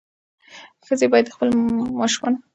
ښځې باید د ماشومانو په تعلیم کې ګډون ولري.